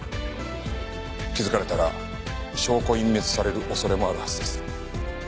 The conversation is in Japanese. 気づかれたら証拠隠滅される恐れもあるはずです。